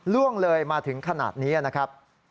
ล่วงเลยมาถึงขนาดนี้นะครับ